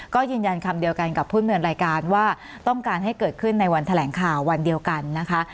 ก็ยืนยันคำเดียวกันกับผู้ดำเนินรายการว่าต้องการให้เกิดขึ้นในวันแถลงข่าววันเดียวกันนะคะ